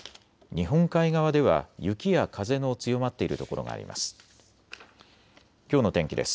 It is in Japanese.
日本海側では雪や風の強まっている所があります。